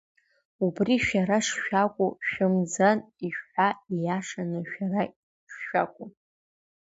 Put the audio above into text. Убри шәара шшәакәу шәымӡан, ишәҳәа ииашаны, шәара шшәакәу!